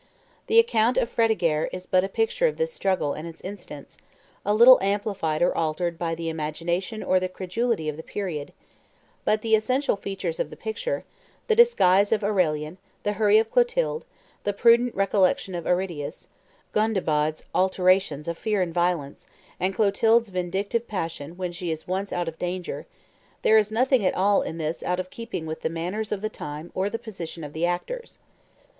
The account of Fredegaire is but a picture of this struggle and its incidents, a little amplified or altered by imagination or the credulity of the period; but the essential features of the picture, the disguise of Aurelian, the hurry of Clotilde, the prudent recollection of Aridius, Gondebaud's alternations of fear and violence, and Clotilde's vindictive passion when she is once out of danger, there is nothing in all this out of keeping with the manners of the time or the position of the actors.